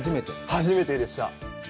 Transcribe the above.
初めてでした。